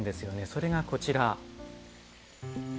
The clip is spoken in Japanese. それがこちら。